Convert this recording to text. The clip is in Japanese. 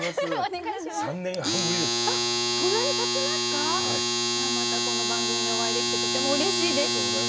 またこの番組でお会いできてとてもうれしいです。